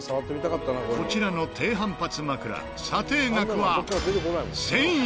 こちらの低反発枕査定額は１０００円。